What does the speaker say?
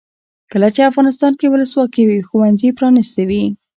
کله چې افغانستان کې ولسواکي وي ښوونځي پرانیستي وي.